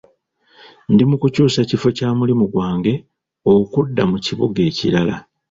Ndi mu kukyusa kifo kya mulimu gwange okudda mu kibuga ekirala.